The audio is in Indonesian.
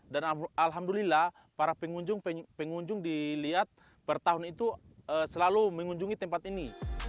alhamdulillah para pengunjung pengunjung dilihat per tahun itu selalu mengunjungi tempat ini